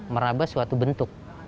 meraba suatu bentuk